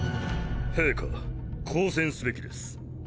陛下交戦すべきです。